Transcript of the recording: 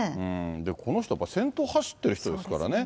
この人、先頭走ってる人ですからね。